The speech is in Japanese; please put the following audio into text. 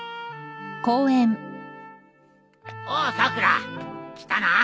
おうさくら来たな。